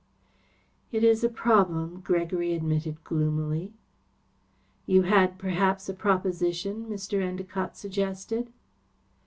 "It is a problem," Gregory admitted gloomily. "You had, perhaps, a proposition?" Mr. Endacott suggested.